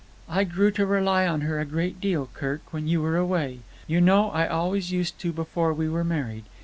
"I grew to rely on her a great deal, Kirk, when you were away. You know I always used to before we were married.